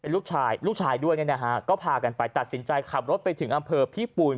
ลูกชายลูกชายด้วยเนี่ยนะฮะก็พากันไปตัดสินใจขับรถไปถึงอำเภอพี่ปูน